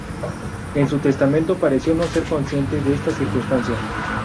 En su testamento pareció no ser consciente de esta circunstancia.